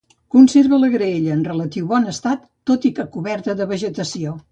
Conserva la graella en relatiu bon estat, tot i que coberta de vegetació.